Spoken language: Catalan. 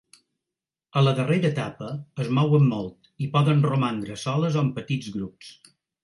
A la darrera etapa es mouen molt i poden romandre soles o en petits grups.